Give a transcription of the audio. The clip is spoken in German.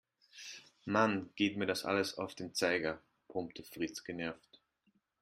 "Mann, geht mir das alles auf den Zeiger", brummte Fritz genervt.